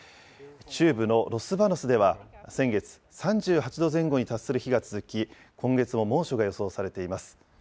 中部のロスバノスでは、先月、３８度前後に達する日が続き、今月も猛暑が予想されています。